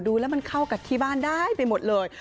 ดูแล้วมันเข้ากับที่บ้านได้ไปหมดเลย